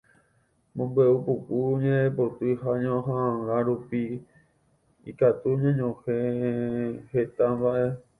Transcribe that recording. Mombe'upuku, ñe'ẽpoty ha ñoha'ãnga rupive ikatu ñanohẽ heta mba'e.